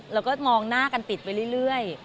แล้วก็มองหน้ากันติดไปเรื่อย